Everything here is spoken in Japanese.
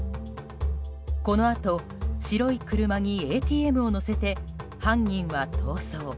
このあと、白い車にＡＴＭを載せて犯人は逃走。